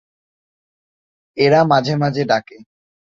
এরা মাঝে মাঝে ডাকে।